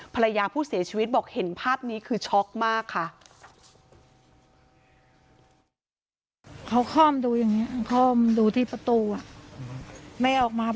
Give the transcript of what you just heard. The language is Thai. ภรรยาผู้เสียชีวิตบอกเห็นภาพนี้คือช็อกมากค่ะ